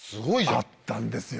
あったんですよ。